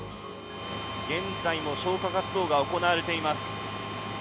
現在も消火活動が行われています。